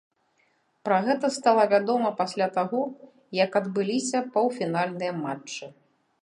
Пра гэта стала вядома пасля таго, як адбыліся паўфінальныя матчы.